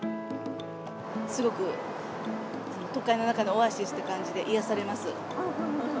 すごく都会の中のオアシスって感じで、癒やされます。